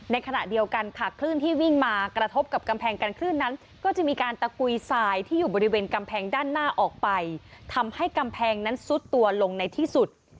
ในขณะเดียวกันค่ะคลื่นที่วิ่งมากระทบกับกำแพงกันคลื่นนั้นก็จะมีการตะกุยทรายที่อยู่บริเวณกำแพงด้านหน้าออกไปทำให้กำแพงนั้นซุดตัวลงในที่สุด